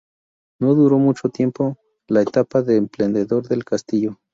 No duró mucho tiempo la etapa de esplendor del castillo.